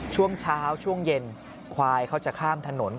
ช่วงเช้าช่วงเย็นควายเขาจะข้ามถนน